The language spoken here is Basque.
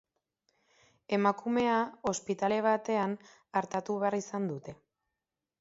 Emakumea ospitale batean artatu behar izan dute.